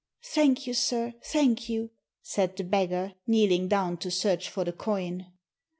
"Thank you, sir, thank you," said the beggar, kneeling down to search for the coin.